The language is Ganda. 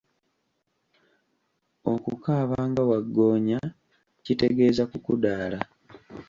Okukaaba nga waggoonya kitegeeza kukudaala.